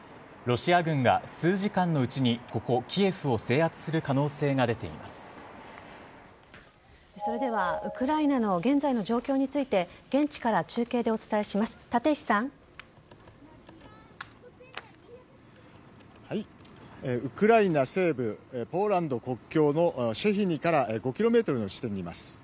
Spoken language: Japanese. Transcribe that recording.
ロシア軍が数時間のうちにここ、キエフを制圧する可能性がそれではウクライナの現在の状況について現地から中継でお伝えします。